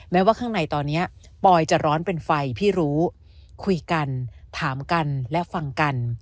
ว่าข้างในตอนนี้ปอยจะร้อนเป็นไฟพี่รู้คุยกันถามกันและฟังกัน